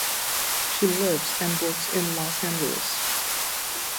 She lives and works in Los Angeles.